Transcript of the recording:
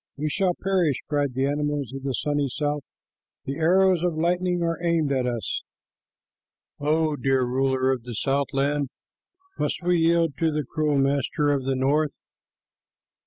"We shall perish," cried the animals of the sunny south. "The arrows of the lightning are aimed at us. O dear ruler of the southland, must we yield to the cruel master of the north?"